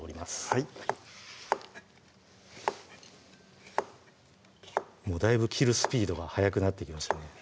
はいもうだいぶ切るスピードが早くなってきましたね